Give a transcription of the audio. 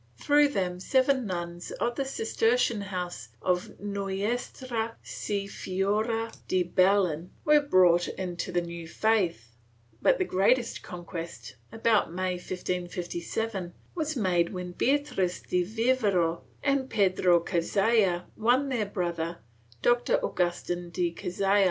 Through them, seven nuns of the Cistercian house of Nuestra Senora de Belen were brought to the new faith, but the greatest conquest, about May, 1557, was made when Beatriz de Vivero and Pedro Cazalla won their brother, Doctor Agustin de Cazalla.